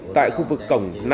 tại khu vực cổng năm